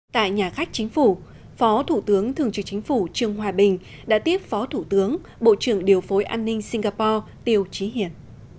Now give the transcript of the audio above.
tại nhà khách chính phủ phó thủ tướng thường trực chính phủ trương hòa bình đã tiếp phó thủ tướng bộ trưởng điều phối an ninh singapore tiêu trí hiền